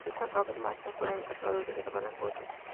El vocalista Robert Mason fue el encargado de grabar las voces.